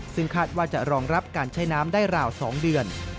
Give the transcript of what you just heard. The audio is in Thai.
ซึ่งคาดว่าจะรองรับการใช้น้ำได้ราว๒เดือน